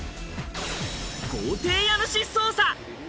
豪邸家主捜査。